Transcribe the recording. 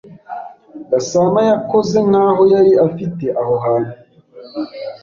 Gasanayakoze nkaho yari afite aho hantu.